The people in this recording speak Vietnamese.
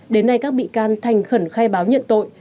đến nay các bị can thành khẩn khai báo nhận tội